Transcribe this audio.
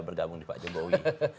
bergabung di pak jombowi